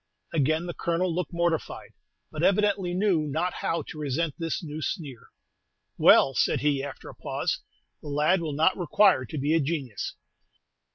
Again the Colonel looked mortified, but evidently knew not how to resent this new sneer. "Well," said he, after a pause, "the lad will not require to be a genius."